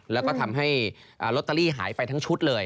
แล้วก็ทำให้ลอตเตอรี่หายไปทั้งชุดเลย